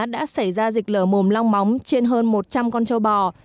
đã xảy ra dịch lở mồm long móng trên hơn một trăm linh con châu bò